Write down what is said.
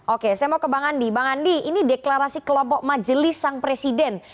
oke saya mau ke bang andi bang andi ini deklarasi kelompok majelis sang presiden